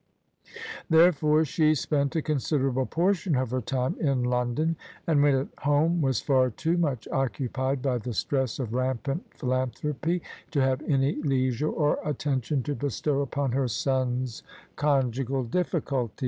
Therefore she spent a con siderable portion of her time in London ; and when at home was far too much occupied by the stress of rampant philan thropy to have any leisure or attention to bestow upon her son's conjugal difficulties.